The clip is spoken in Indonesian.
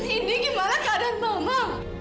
ini gimana keadaan mama